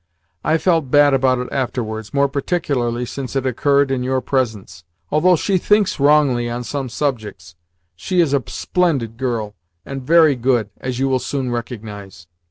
"I felt bad about it afterwards more particularly since it occurred in your presence. Although she thinks wrongly on some subjects, she is a splendid girl and very good, as you will soon recognise."